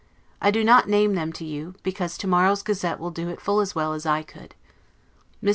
I do not name them to you, because to morrow's Gazette will do it full as well as I could. Mr.